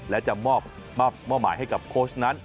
และจะมอบหมายให้กับโค้ชนั้น